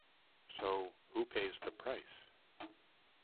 So who pays the price?